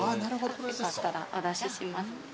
よかったらお出しします。